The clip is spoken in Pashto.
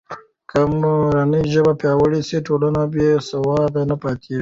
که مورنۍ ژبه پیاوړې سي، ټولنه کې بې سوادي نه پاتې کېږي.